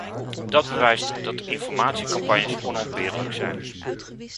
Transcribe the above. Dat bewijst dat informatiecampagnes onontbeerlijk zijn.